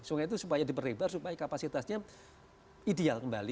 sungai itu supaya diperlebar supaya kapasitasnya ideal kembali